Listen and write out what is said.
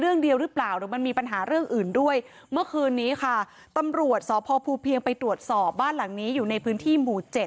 เรื่องเดียวหรือเปล่าหรือมันมีปัญหาเรื่องอื่นด้วยเมื่อคืนนี้ค่ะตำรวจสพภูเพียงไปตรวจสอบบ้านหลังนี้อยู่ในพื้นที่หมู่เจ็ด